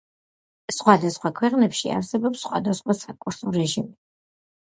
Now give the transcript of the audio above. სხვადასხვა ქვეყნებში არსებობს სხვადასხვა საკურსო რეჟიმები.